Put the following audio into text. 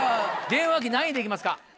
電話機何位で行きますか？